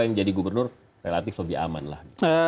yang menjadi gubernur relatif lebih aman lah